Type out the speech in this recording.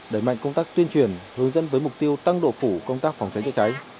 đẩy mạnh công tác tuyên truyền hướng dẫn với mục tiêu tăng độ phủ công tác phòng cháy chữa cháy